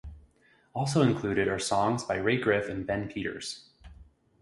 Also included are songs by Ray Griff and Ben Peters.